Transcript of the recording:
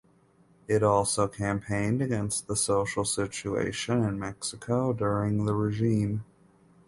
It also campaigned against the social situation in Mexico during the regime.